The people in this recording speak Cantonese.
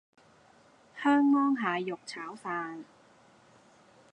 香芒蟹肉炒飯